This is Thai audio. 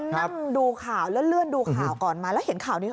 นั่งดูข่าวเลื่อนดูข่าวก่อนมาแล้วเห็นข่าวนี้